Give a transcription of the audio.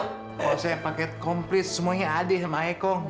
kok saya pake komplit semuanya adih sama e kong